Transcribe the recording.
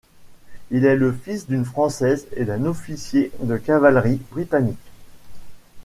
Il est le fils d'une française et d'un officier de cavalerie britannique.